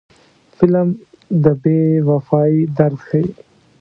فلم د بې وفایۍ درد ښيي